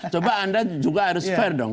coba anda juga harus fair dong